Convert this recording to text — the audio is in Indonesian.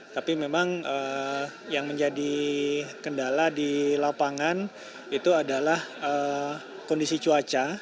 tapi memang yang menjadi kendala di lapangan itu adalah kondisi cuaca